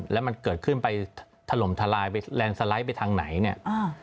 แล้วมันเกิดขึ้นไปถล่มทลายไปทางไหนเนี่ย